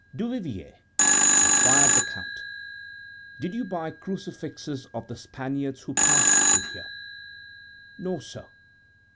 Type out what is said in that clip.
"Duvivier," inquired the Count, "did you buy crucifixes of the Spaniards who passed through here?" "No, sir."